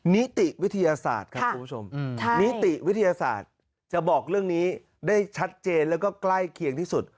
นิติวิทยาศาสตร์ครับคุณผู้ชมนิติวิทยาศาสตร์จะบอกเรื่องนี้ได้ชัดเจนแล้วก็ใกล้เคียงที่สุด